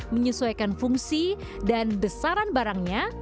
menyesuaikan fungsi dan besaran barangnya